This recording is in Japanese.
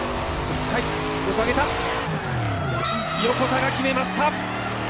横田が決めました。